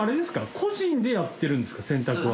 個人でやってるんですか洗濯は。